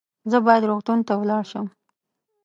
زه باید روغتون ته ولاړ شم